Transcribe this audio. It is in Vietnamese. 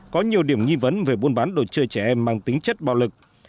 có nhiều điểm nghi vấn về buôn bán đồ chơi trẻ em mang tính chất bạo lực